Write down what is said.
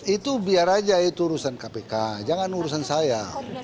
itu biar aja itu urusan kpk jangan urusan saya